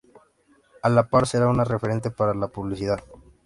A la par, será un referente para la publicidad.